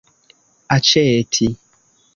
aĉeti